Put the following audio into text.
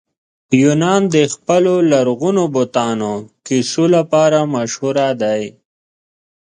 یونان د خپلو لرغونو بتانو کیسو لپاره مشهوره دی.